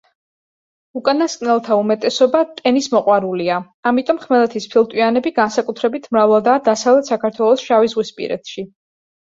უკანასკნელთა უმეტესობა ტენის მოყვარულია, ამიტომ ხმელეთის ფილტვიანები განსაკუთრებით მრავლადაა დასავლეთ საქართველოს შავიზღვისპირეთში.